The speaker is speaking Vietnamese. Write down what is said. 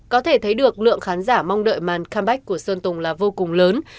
có thể thấy được lượng khán giả mong đợi màn cambox của sơn tùng là vô cùng lớn